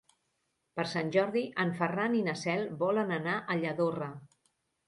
Per Sant Jordi en Ferran i na Cel volen anar a Lladorre.